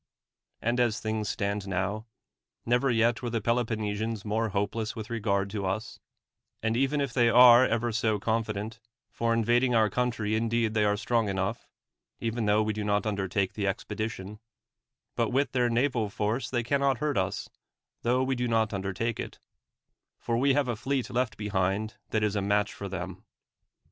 And as things stand now, never yet were the Peloponnesians more hopeless with re gard to us ; and even if they are ever so confi dent, for invading our country indeed they are strong enough, even tho we do not under take the expedition ; but with their naval force they cannot hurt us [tho we do not undertake ALC'iBlADKS From a Biisl in ihc (. Icniciilirw Miiseiini al Rome ALCIBIADES it],, for Ave have a fleet left behind that is a match for them.